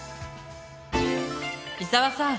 伊沢さん